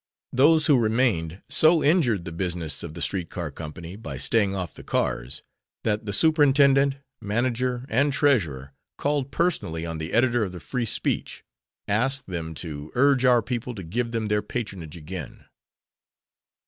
Those who remained so injured the business of the street car company by staying off the cars, that the superintendent, manager and treasurer called personally on the editor of the Free Speech, asked them to urge our people to give them their patronage again.